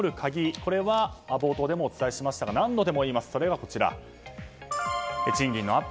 これは冒頭でもお伝えしましたが何度でも言います、賃金のアップ